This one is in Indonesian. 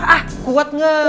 ah kuat gak